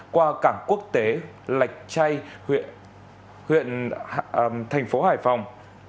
qua cảng quốc tế lạch chay huyện tp hải phòng